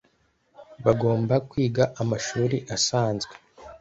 Bagomba kwiga amashuri asanzwe